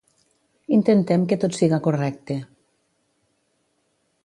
Intentem que tot siga correcte.